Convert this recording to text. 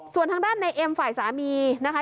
ส่วนทางด้านในเอ็มฝ่ายสามีนะคะ